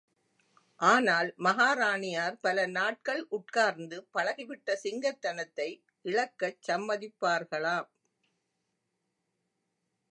ஆனால் மகாராணியார் பல நாட்கள் உட்கார்ந்து பழகிவிட்ட சிங்கத்தனத்தை இழக்கச் சம்மதிப்பார்களாம்.